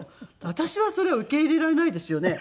私はそれを受け入れられないですよね